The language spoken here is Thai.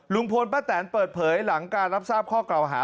ลุงพลป้าแตนเปิดเผยหลังการรับทราบข้อเก่าหา